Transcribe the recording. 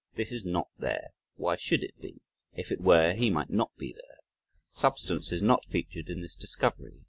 This is not there why should it be if it were he might not be there. "Substance" is not featured in this discovery.